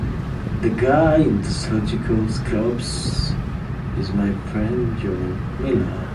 The guy in the surgical scrubs is my friend Joel Miller.